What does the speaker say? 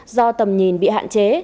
do tầm nhìn bị hạn chế